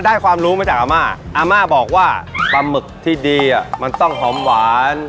ความรู้มาจากอาม่าอาม่าบอกว่าปลาหมึกที่ดีอ่ะมันต้องหอมหวาน